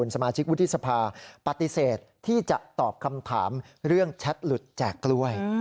สมาชิกวุฒิสภาปฏิเสธที่จะตอบคำถามเรื่องแชทหลุดแจกกล้วย